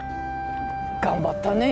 頑張ったね。